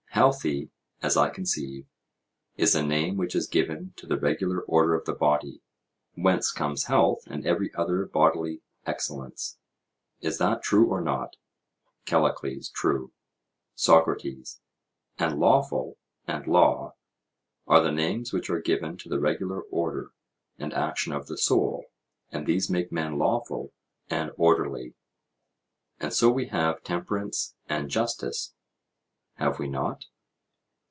"Healthy," as I conceive, is the name which is given to the regular order of the body, whence comes health and every other bodily excellence: is that true or not? CALLICLES: True. SOCRATES: And "lawful" and "law" are the names which are given to the regular order and action of the soul, and these make men lawful and orderly:—and so we have temperance and justice: have we not?